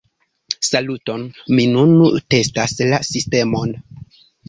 Saluton, mi nun testas la sistemon.